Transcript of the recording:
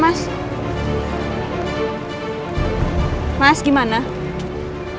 mas ini udah dari beberapa hari yang lalu